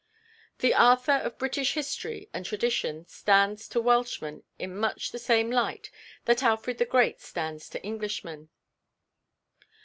The Arthur of British history and tradition stands to Welshmen in much the same light that Alfred the Great stands to Englishmen.